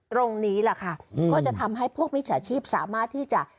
ตรงนี้แหละค่ะก็จะทำให้พวกมิจฉาชีพสามารถที่จะ